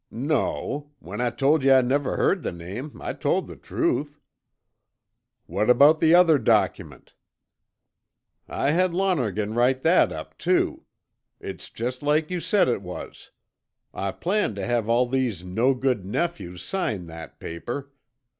"No. When I told yuh I'd never heard the name, I told the truth." "What about that other document?" "I had Lonergan write that up, too. It's just like you said it was. I planned tuh have all these no good nephews sign that paper.